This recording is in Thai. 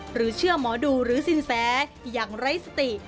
หรือเชื่อหมอดูหรือสินแสอย่างไร้สติ